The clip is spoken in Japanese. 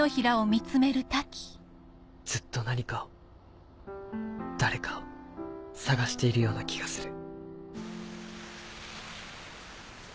ずっと何かを誰かを探しているような気がする。